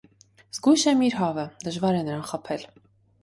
Զգույշ է միրհավը, դժվար է նրան խփել: